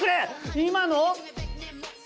今の。